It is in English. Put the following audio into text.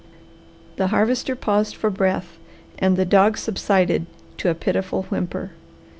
The Harvester paused for breath and the dog subsided to a pitiful whimper.